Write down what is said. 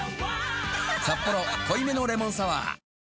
「サッポロ濃いめのレモンサワー」